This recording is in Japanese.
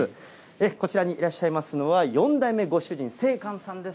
こちらにいらっしゃいますのは、４代目ご主人、星冠さんです。